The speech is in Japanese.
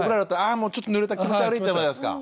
もうちょっとぬれたら気持ち悪いじゃないですか。